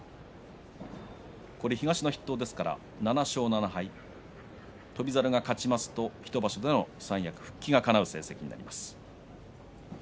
東の筆頭ですから７勝７敗、翔猿が勝ちますと三役復帰がかなう成績です。